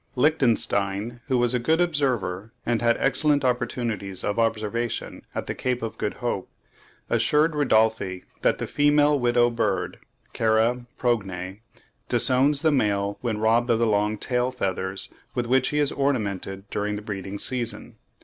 Lichtenstein, who was a good observer and had excellent opportunities of observation at the Cape of Good Hope, assured Rudolphi that the female widow bird (Chera progne) disowns the male when robbed of the long tail feathers with which he is ornamented during the breeding season.